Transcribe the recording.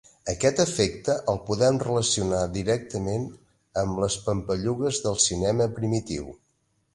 Aquest efecte el podem relacionar directament amb les pampallugues del cinema primitiu.